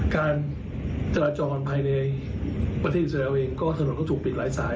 การจราจรภายในประเทศอิสราเอลเองก็ถนนก็ถูกปิดหลายสาย